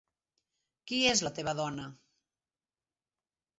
Qui és la teva dona?